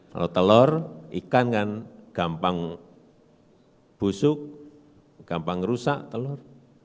kalau telur ikan kan gampang busuk gampang rusak telur